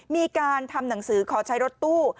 มีการทำหนังสือขอใช้รถตู้